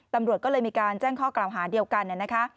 ตำรวจก็เลยมีการแจ้งข้อกล่าวหาเดียวกันนะคะ